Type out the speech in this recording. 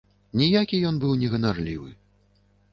Ніякі ён быў не ганарлівы.